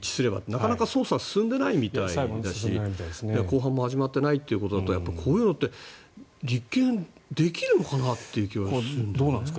なかなか捜査が進んでないみたいですし公判も始まっていないということだとこういうのって立件できるのかなという気はするんですけどね。